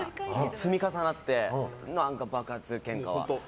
積み重なって、爆発けんかは。